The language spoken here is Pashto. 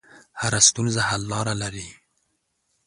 هره ستونزه حل لاره لري.